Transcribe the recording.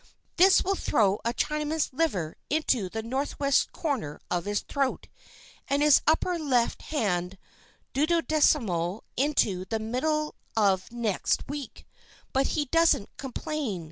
This will throw a Chinaman's liver into the northwest corner of his throat, and his upper left hand duodessimo into the middle of next week, but he doesn't complain.